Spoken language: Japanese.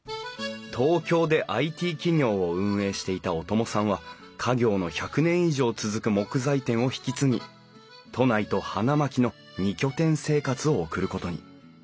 東京でＩＴ企業を運営していた小友さんは家業の１００年以上続く木材店を引き継ぎ都内と花巻の２拠点生活を送ることに。